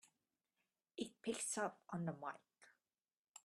It picks up on the mike!